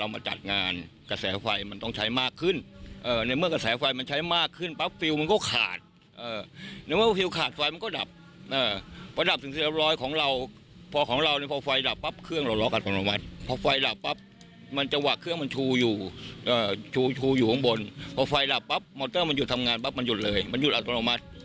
เมื่อมันหยุดทำงานปะมันหยุดเลยมันหยุดอัตโนมัติ